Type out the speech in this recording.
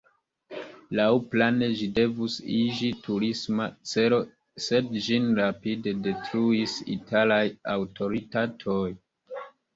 Laŭplane ĝi devus iĝi turisma celo, sed ĝin rapide detruis la italaj aŭtoritatoj.